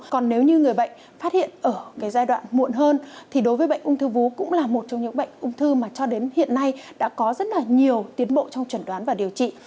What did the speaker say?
còn nếu như người bệnh phát hiện ở cái giai đoạn muộn hơn thì đối với bệnh ung thư vú cũng là một trong những bệnh ung thư mà cho đến hiện nay đã có rất là nhiều tiến bộ trong trần đoán và điều trị